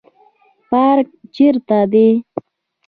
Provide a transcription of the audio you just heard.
پارک چیرته دی؟